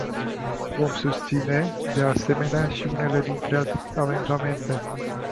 Vom susține, de asemenea, și unele dintre amendamente.